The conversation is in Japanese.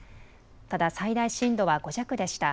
ただ最大震度は５弱でした。